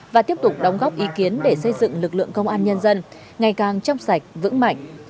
và tiếp tục đóng góp ý kiến để xây dựng lực lượng công an nhân dân ngày càng trong sạch vững mạnh